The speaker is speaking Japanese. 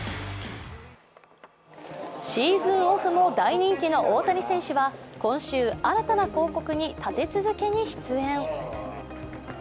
シーズンオフも大人気の大谷選手は今週、新たな広告に立て続けに出演。